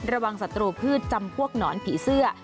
สัตรูพืชจำพวกหนอนผีเสื้อ